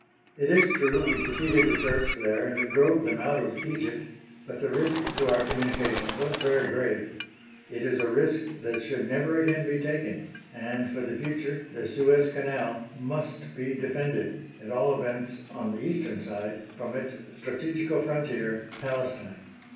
It is true we defeated the Turks there and drove them out of Egypt, but the risk to our communications was very grave. It is a risk that should never again be taken, and for the future the Suez Canal must be defended, at all events on the Eastern side, from its strategical frontier Palestine.